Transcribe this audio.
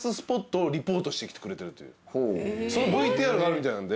そのＶＴＲがあるみたいなんで。